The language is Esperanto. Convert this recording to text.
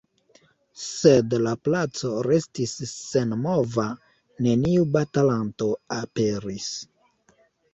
Sed la placo restis senmova, neniu batalanto aperis.